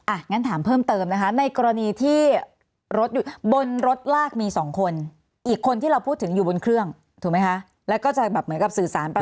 งั้นถามเพิ่มเติมนะคะในกรณีที่รถอยู่บนรถลากมีสองคนอีกคนที่เราพูดถึงอยู่บนเครื่องถูกไหมคะแล้วก็จะแบบเหมือนกับสื่อสารไป